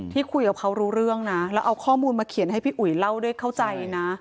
ที่คุยกับเขารู้เรื่องนะแล้วเอาข้อมูลมาเขียนให้พี่อุ๋ยเล่าด้วยเข้าใจนะ